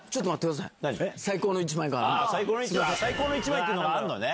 最高の１枚っていうのがあるのね。